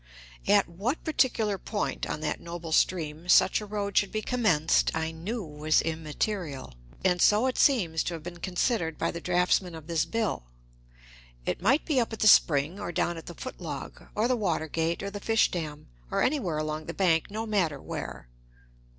At what particular point on that noble stream such a road should be commenced I knew was immaterial, and so it seems to have been considered by the draughtsman of this bill. It might be up at the spring or down at the foot log, or the Watergate, or the fish dam, or anywhere along the bank, no matter where.